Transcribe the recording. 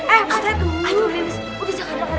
ayo lilis udah jangan dengerin apa kata eka